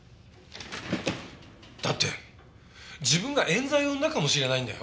だって自分が冤罪を生んだかもしれないんだよ？